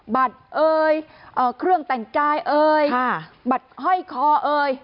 บัตรเอ่ยเครื่องแต่งกายเอ่ยบัตรห้อยคอเอ่ย